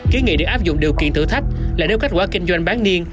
ký nghị được áp dụng điều kiện thử thách là nếu kết quả kinh doanh bán niêm